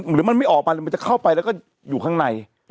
หรือมันไม่ออกมาเลยมันจะเข้าไปแล้วก็อยู่ข้างใน